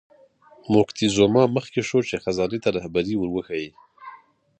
موکتیزوما مخکې شو چې خزانې ته رهبري ور وښیي.